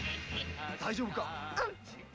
大丈夫か？